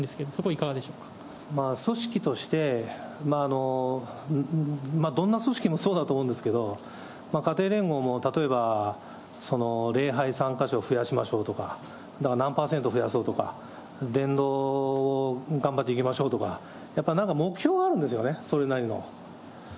いかがで組織として、どんな組織もそうだと思うんですけど、家庭連合も、例えば、礼拝参加者を増やしましょうとか、だから何％増やそうとか、伝道を頑張っていきましょうとか、やっぱなんか目標があるんですよね、それなりの。